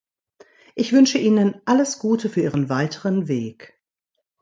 Ich wünsche Ihnen alles Gute für Ihren weiteren Weg.